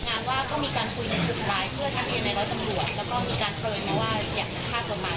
ต้องมีการคุยดนรกรายเพื่อทั้งเย็นในรอดตำรวช